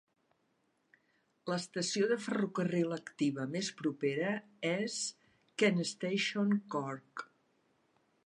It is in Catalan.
L'estació de ferrocarril activa més propera és Kent Station Cork.